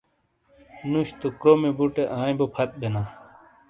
نُش تو کرومی بُٹے آئیں بو پھت بینا۔